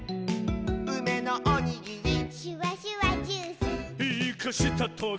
「うめのおにぎり」「シュワシュワジュース」「イカしたトゲ」